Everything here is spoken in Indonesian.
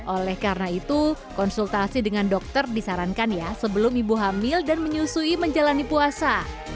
oleh karena itu konsultasi dengan dokter disarankan ya sebelum ibu hamil dan menyusui menjalani puasa